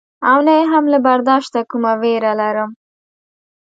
او نه یې هم له برداشته کومه وېره لرم.